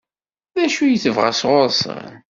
D acu i tebɣa sɣur-sen?